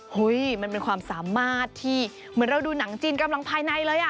มันเป็นความสามารถที่เหมือนเราดูหนังจีนกำลังภายในเลยอ่ะ